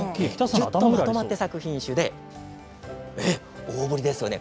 ぎゅっとまとまって咲く品種で大ぶりですよね。